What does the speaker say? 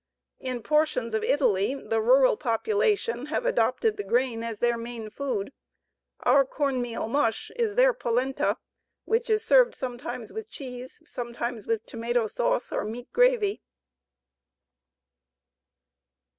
In portions of Italy the rural population have adopted the grain as their main food. Our corn meal mush is their polenta, which is served sometimes with cheese, sometimes with tomato sauce or meat gravy.